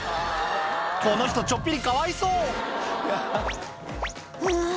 この人ちょっぴりかわいそううわ